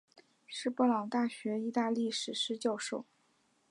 是布朗大学意大利历史教授。